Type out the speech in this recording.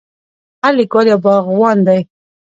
هر لیکوال یو باغوان دی.